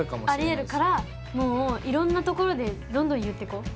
ありえるからもういろんなところでどんどん言ってこう。